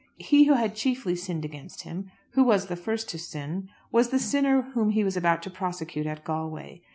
He who had chiefly sinned against him, who was the first to sin, was the sinner whom he was about to prosecute at Galway.